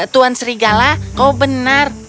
tuan serigala kau benar